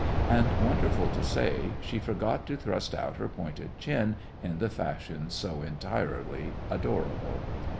And, wonderful to say, she forgot to thrust out her pointed chin in the fashion so entirely adorable.